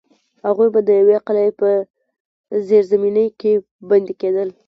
هغوی به د یوې قلعې په زیرزمینۍ کې بندي کېدل.